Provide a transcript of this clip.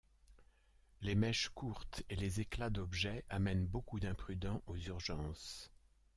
Les mèches courtes et les éclats d'objets amènent beaucoup d'imprudents aux urgences.